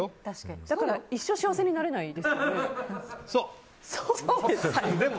だから一生幸せになれないですよね。